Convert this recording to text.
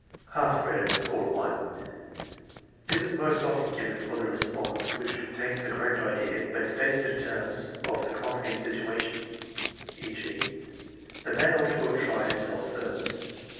Half credit; score 1. This is most often given for the response which contains the correct idea, but states it in terms of the con crete situation, e.g.: "The man ought to have tried himself first."